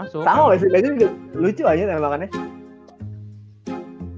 sama wesley matthews lucu aja nembakannya